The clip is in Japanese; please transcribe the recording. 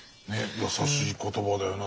優しい言葉だよな。